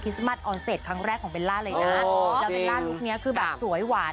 ครั้งแรกของเบลล่าเลยนะและเบลล่าลูกนี้คือแบบสวยหวาน